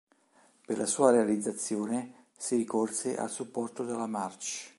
Per la sua realizzazione, si ricorse al supporto della March.